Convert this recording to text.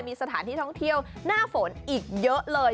มีสถานที่ท่องเที่ยวหน้าฝนอีกเยอะเลย